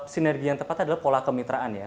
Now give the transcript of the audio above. sinergi yang tepat adalah pola kemitraan ya